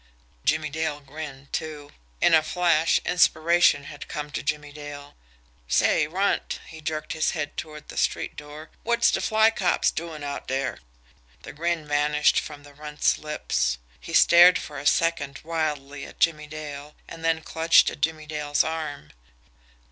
Jimmie Dale grinned, too in a flash inspiration had come to Jimmie Dale. "Say, Runt" he jerked his head toward the street door "wot's de fly cops doin' out dere?" The grin vanished from the Runt's lips. He stared for a second wildly at Jimmie Dale, and then clutched at Jimmie Dale's arm.